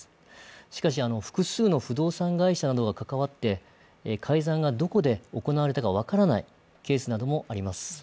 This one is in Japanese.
しかし、複数の不動産会社などが関わって、改ざんがどこで行われたか分からないケースなどもあります。